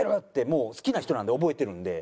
もう好きな人なんで覚えてるので。